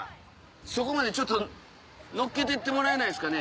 そこまでちょっと乗っけてってもらえないですかね。